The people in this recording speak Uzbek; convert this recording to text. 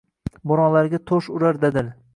Boʼronlarga toʼsh urar dadil